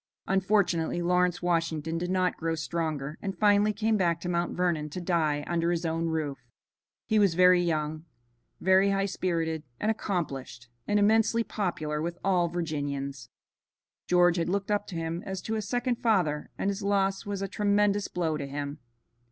Unfortunately Lawrence Washington did not grow stronger, and finally came back to Mount Vernon to die under his own roof. He was very young, very high spirited and accomplished, and immensely popular with all Virginians. George had looked up to him as to a second father, and his loss was a tremendous blow to him.